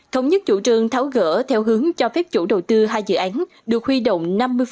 thống nhất chủ trường tháo gỡ theo hướng cho phép chủ đầu tư hai dự án được huy động